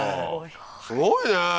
すごいね。